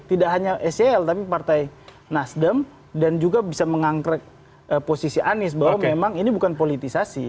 tidak hanya sel tapi partai nasdem dan juga bisa mengangkrek posisi anies bahwa memang ini bukan politisasi